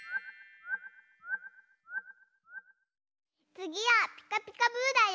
つぎは「ピカピカブ！」だよ。